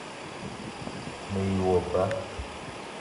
Me ye wo ba